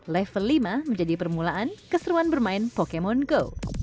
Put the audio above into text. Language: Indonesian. level lima menjadi permulaan keseruan bermain pokemon go